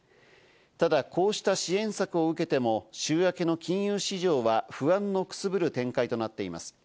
ただこうした支援策を受けても、週明けの金融市場は不安のくすぶる展開となっています。